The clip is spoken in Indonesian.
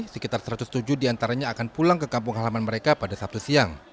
sekitar satu ratus tujuh diantaranya akan pulang ke kampung halaman mereka pada sabtu siang